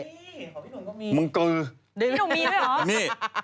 พี่ของพี่หนุ่มก็มีมึงกือพี่หนุ่มมีด้วยเหรอ